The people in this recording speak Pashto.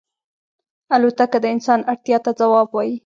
الوتکه د انسان اړتیا ته ځواب وايي.